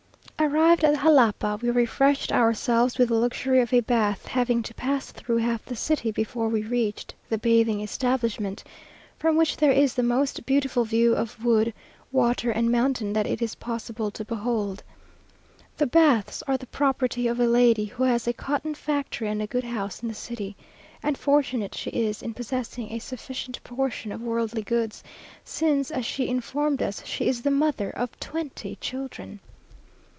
Arrived at Jalapa, we refreshed ourselves with the luxury of a bath, having to pass through half the city before we reached the bathing establishment, from which there is the most beautiful view of wood, water, and mountain that it is possible to behold. The baths are the property of a lady who has a cotton factory and a good house in the city, and fortunate she is in possessing a sufficient portion of worldly goods; since, as she informed us, she is the mother of twenty children!